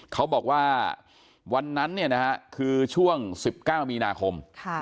เขาบอกว่าวันนั้นคือช่วง๑๙มีนาคม